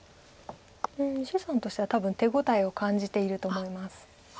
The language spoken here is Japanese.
謝さんとしては多分手応えを感じていると思います。